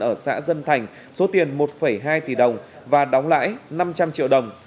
ở xã dân thành số tiền một hai tỷ đồng và đóng lãi năm trăm linh triệu đồng